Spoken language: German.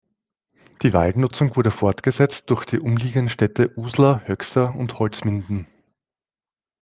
Die Waldnutzung wurde fortgesetzt durch die umliegenden Städte Uslar, Höxter und Holzminden.